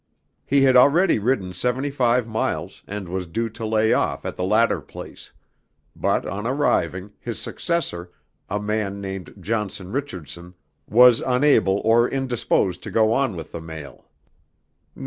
He had already ridden seventy five miles and was due to lay off at the latter place. But on arriving, his successor, a man named Johnson Richardson, was unable or indisposed to go on with the mail.